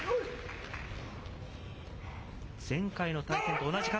前回の対戦と同じ形。